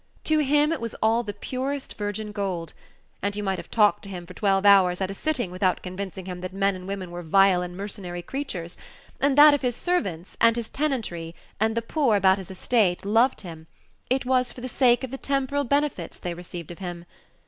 To him it was all the purest virgin gold; and you might have talked to him for twelve hours at a sitting without convincing him that men and women were vile and mercenary creatures, and that if his servants, and his tenantry, and the poor about his estate, loved him, it was for the sake of the temporal benefits they received of him.